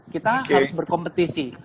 kita harus berkompetisi